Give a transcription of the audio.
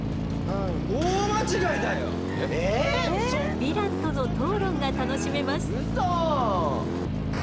ヴィランとの討論が楽しめます。